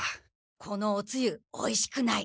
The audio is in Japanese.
このおつゆおいしくない。